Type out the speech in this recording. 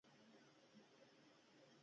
غرمې چي اور بلېدنگ ګرمي جوړه که